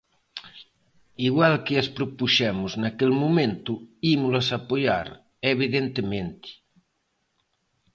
Igual que as propuxemos naquel momento, ímolas apoiar, evidentemente.